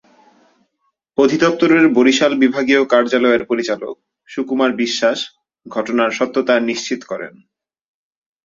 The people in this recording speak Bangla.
অধিদপ্তরের বরিশাল বিভাগীয় কার্যালয়ের পরিচালক সুকুমার বিশ্বাস ঘটনার সত্যতা নিশ্চিত করেন।